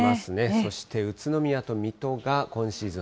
そして、宇都宮と水戸が今シーズン